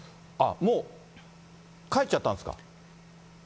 もう帰っちゃったんですか？